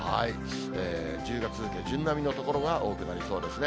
１０月下旬並みの所が多くなりそうですね。